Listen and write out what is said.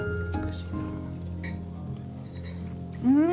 うん！